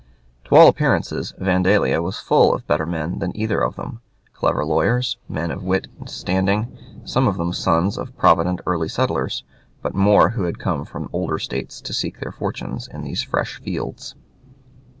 To all appearance, Vandalia was full of better men than either of them clever lawyers, men of wit and standing, some of them the sons of provident early settlers, but more who had come from older States to seek their fortunes in these fresh fields.